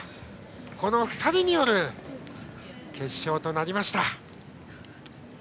この２人による決勝となりました。